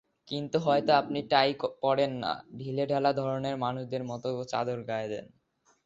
কিন্তু হয়তো আপনি টাই পরেন না, ঢিলেঢালা ধরণের মানুষদের মতো চাদর গায়ে দেন।